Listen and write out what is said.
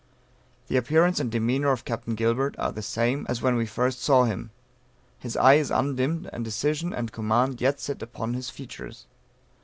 "The appearance and demeanor of Captain Gilbert are the same as when we first saw him; his eye is undimmed, and decision and command yet sit upon his features.